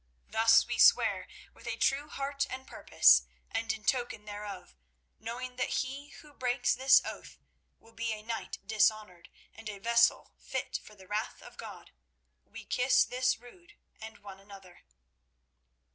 Thus we swear with a true heart and purpose, and in token thereof, knowing that he who breaks this oath will be a knight dishonoured and a vessel fit for the wrath of God, we kiss this Rood and one another."